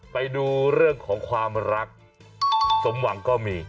ไปดูเรื่องของความรักสมหวังก็มี